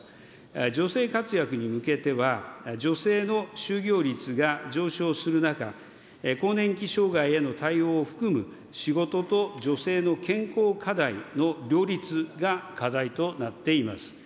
女性活躍に向けては、女性の就業率が上昇する中、更年期障害への対応を含む、仕事と女性の健康課題の両立が課題となっています。